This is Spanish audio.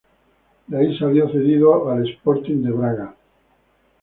De ahí salió cedido al Sporting de Braga.